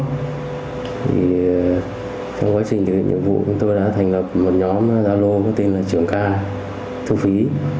trong quá trình thực hiện nhiệm vụ chúng tôi đã thành lập một nhóm gia lô có tên là trưởng ca thu phí